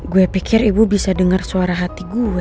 gue pikir ibu bisa dengar suara hati gue